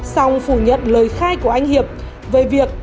xong phủ nhận lời khai của anh hiệp về việc